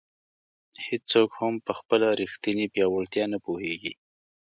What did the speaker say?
هیڅوک هم په خپله ریښتیني پیاوړتیا نه پوهېږي.